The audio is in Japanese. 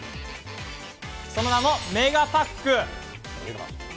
その名もメガパック。